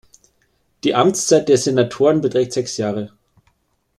Die Amtszeit der Senatoren beträgt sechs Jahre.